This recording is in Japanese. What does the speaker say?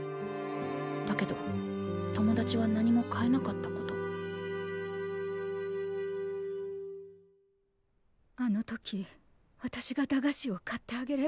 だけど友達は何も買えなかったことあの時私が駄菓子を買ってあげればよかったの。